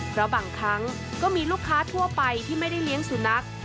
เพราะบางครั้งก็มีลูกค้าทั่วไปที่ไม่ได้เลี้ยงสุนัข